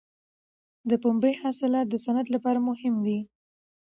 د پنبې حاصلات د صنعت لپاره مهم دي.